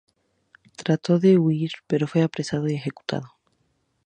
Trató de huir, pero fue apresado y ejecutado.